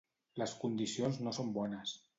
Les condicions no són bones.